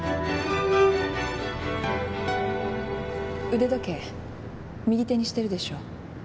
腕時計右手にしてるでしょ？